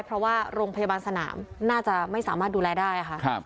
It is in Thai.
เพราะว่าโรงพยาบาลสนามน่าจะไม่สามารถดูแลได้ค่ะ